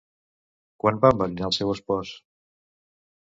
Quan va enverinar el seu espòs?